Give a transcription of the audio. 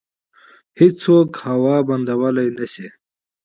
هیڅوک هوا بندولی نشي.